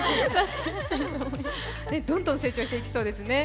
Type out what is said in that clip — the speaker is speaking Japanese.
どんどん成長していきそうですね。